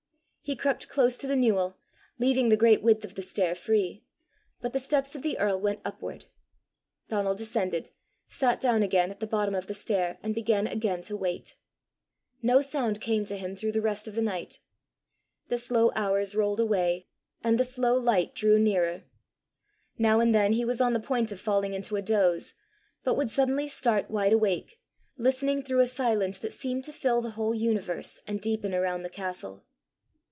He crept close to the newel, leaving the great width of the stair free, but the steps of the earl went upward. Donal descended, sat down again at the bottom of the stair, and began again to wait. No sound came to him through the rest of the night. The slow hours rolled away, and the slow light drew nearer. Now and then he was on the point of falling into a doze, but would suddenly start wide awake, listening through a silence that seemed to fill the whole universe and deepen around the castle.